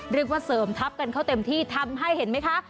เรียกว่าเสริมทัพกันเข้าเต็มที่ทำให้เห็นไหมคะ